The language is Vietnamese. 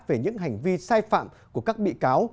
về những hành vi sai phạm của các bị cáo